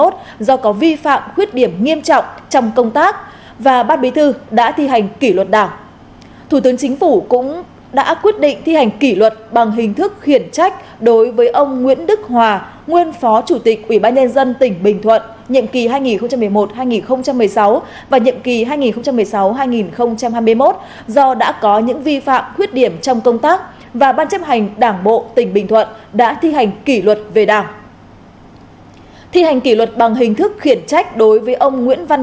trong các quyết định thủ tướng chính phủ quyết định thi hành kỷ luật xóa tư cách nguyên chủ tịch ubnd tỉnh bình thuận nhiệm kỳ hai nghìn một mươi một hai nghìn một mươi sáu và hai nghìn một mươi một hai nghìn một mươi sáu đối với ông lê tiến phương do có vi phạm khuyết điểm nghiêm trọng trong công tác